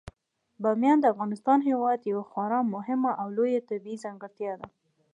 بامیان د افغانستان هیواد یوه خورا مهمه او لویه طبیعي ځانګړتیا ده.